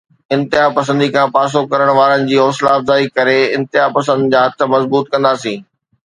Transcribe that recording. انتهاپسندي کان پاسو ڪرڻ وارن جي حوصلا افزائي ڪري انتها پسندن جا هٿ مضبوط ڪنداسين.